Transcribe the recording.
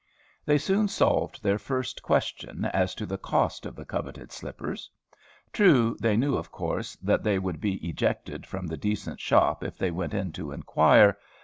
They soon solved their first question, as to the cost of the coveted slippers. True, they knew, of course, that they would be ejected from the decent shop if they went in to inquire.